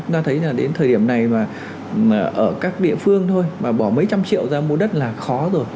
ta thấy là đến thời điểm này mà ở các địa phương thôi mà bỏ mấy trăm triệu ra mua đất là khó rồi